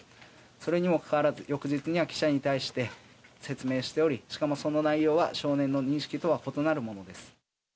それにもかかわらず翌日には記者に対して説明しておりしかもその内容は少年の認識とは異なるものです。